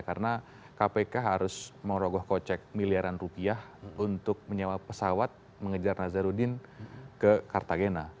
karena kpk harus mengorogoh kocek miliaran rupiah untuk menyewa pesawat mengejar nazaruddin ke cartagena